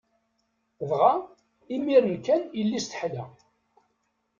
Dɣa, imiren kan, yelli-s teḥla.